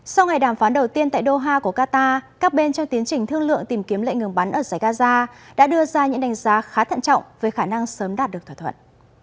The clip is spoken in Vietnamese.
sau ngày đàm phán đầu tiên tại doha của qatar các bên trong tiến trình thương lượng tìm kiếm lệnh ngừng bắn ở giải gaza đã đưa ra những đánh giá khá thận trọng về khả năng sớm đạt được thỏa thuận